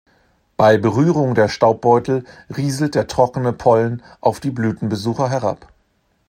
Bei Berührung der Staubbeutel rieselt der trockene Pollen auf die Blütenbesucher herab.